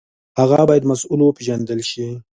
هغه باید مسوول وپېژندل شي.